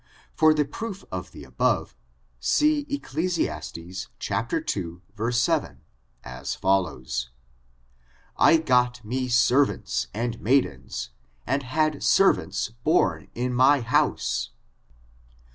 For the proof of the above, see Ecclesiastes ii, 7, as follows :" I got me servants and maidens, and had servants bom in my house."